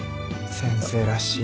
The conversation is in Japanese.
先生らしいな。